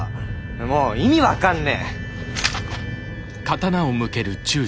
もう意味分かんねえ。